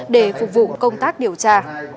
để phục vụ công tác điều tra